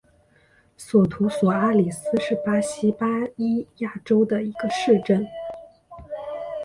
索图索阿里斯是巴西巴伊亚州的一个市镇。